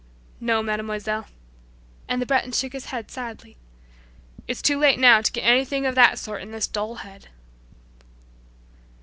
"No, Mademoiselle," and the Breton shook his head sadly, "It's too late now to get anything of that sort in this dull head."